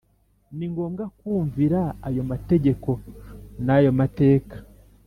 Ni ngombwa kumvira ayo mategeko n’ayo mateka